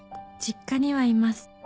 「実家にはいます」